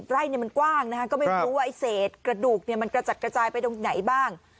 ไร่มันกว้างนะคะก็ไม่รู้ว่าไอ้เศษกระดูกมันกระจัดกระจายไปตรงไหนบ้าง